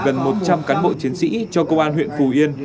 gần một trăm linh cán bộ chiến sĩ cho công an huyện phù yên